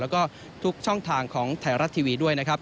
และช่องทางของไทรรัสทีวีด้วย